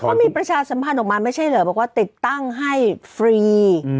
เขามีประชาสัมพันธ์ออกมาไม่ใช่เหรอบอกว่าติดตั้งให้ฟรี